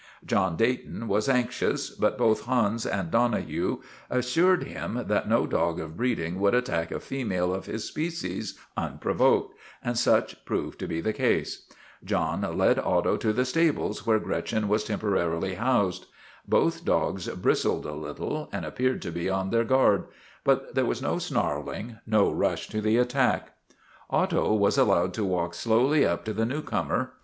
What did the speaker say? John Dayton was anxious, but both Hans and Donohue assured him that no dog of breeding would attack a female of his species unprovoked, and such proved to be the case. John led Otto to the stables where Gretchen was temporarily housed. Both dogs bristled a little and appeared to be on their guard, but there was no snarling, no rush to the attack. STRIKE AT TIVERTON MANOR 143 Otto was allowed to walk slowly up to the new comer.